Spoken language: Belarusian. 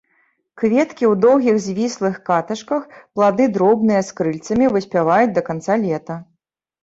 Кветкі ў доўгіх, звіслых каташках, плады дробныя, з крыльцамі, выспяваюць да канца лета.